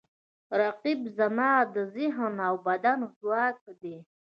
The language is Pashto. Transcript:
رقیب زما د ذهن او بدن ځواک دی